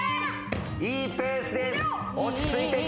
いいペースです。